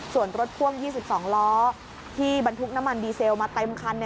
ส่วนรถพ่วง๒๒ล้อที่บรรทุกน้ำมันดีเซลมาเต็มคัน